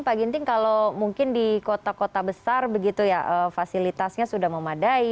pak ginting kalau mungkin di kota kota besar begitu ya fasilitasnya sudah memadai